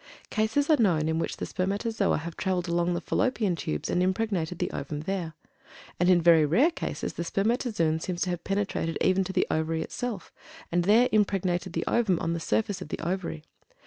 Cases are known in which the spermatozoa have traveled along the Fallopian Tubes and impregnated the ovum there; and in very rare cases the spermatozoon seems to have penetrated even to the Ovary itself, and there impregnated the ovum on the surface of the Ovary.